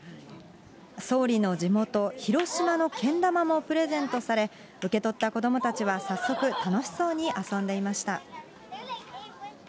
総理の地元、広島のけん玉もプレゼントされ、受け取った子どもたちは早速楽しそうに遊んでいました。